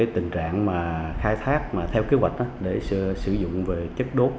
tình trạng khai thác theo kế hoạch để sử dụng về chất đốt